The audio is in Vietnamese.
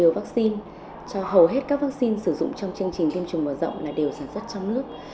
vắc xin cho hầu hết các vắc xin sử dụng trong chương trình tiêm chủng mở rộng là đều sản xuất trong nước